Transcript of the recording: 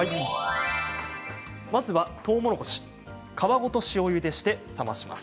とうもろこし皮ごと塩ゆでして冷まします。